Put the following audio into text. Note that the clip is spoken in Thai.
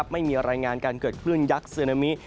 ไม่มีรายงานการเกิดขึ้นยักษ์เซนามี